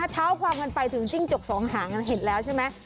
เท้าความกันไปถึงจิ้งจกสองหางกันเห็นแล้วใช่ไหม